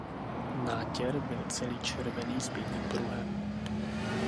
Nátěr byl celý červený s bílým pruhem.